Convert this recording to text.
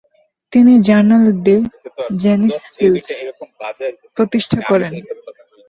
তিনি "Journal de Jeunes Filles" প্রতিষ্ঠা করেন।